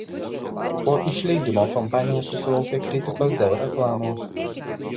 Po išleidimo kompanija susilaukė kritikos dėl reklamos.